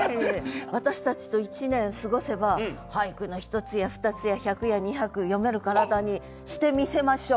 私たちと１年過ごせば俳句の一つや二つや百や二百詠める体にしてみせましょう。